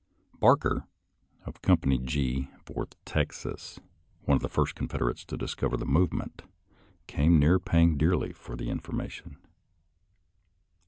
Barker, of Company G, Fourth Texas, one of the first Confederates to discover the movement, came near paying dearly for the in formation.